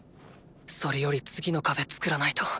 それより次の壁作らないと。